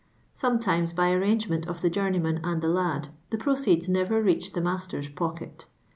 Sometimes, by arrangement of the journeyman and the lad, the proceeds never retiched the master's pocket.